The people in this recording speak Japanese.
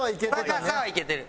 高さはいけてる。